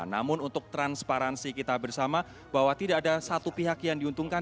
namun untuk transparansi kita bersama bahwa tidak ada satu pihak yang diuntungkan